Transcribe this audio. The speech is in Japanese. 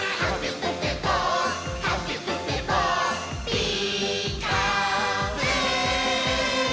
「ピーカーブ！」